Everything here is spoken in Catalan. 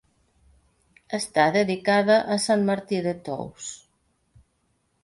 Està dedicada a sant Martí de Tours.